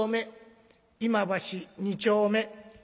「今橋２丁目」。